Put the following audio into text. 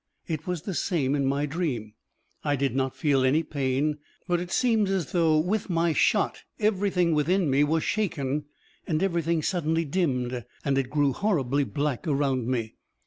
It was the same in my dream. I did not feel any pain, but it seemed as though with my shot everything within me was shaken and everything was suddenly dimmed, and it grew horribly black around me.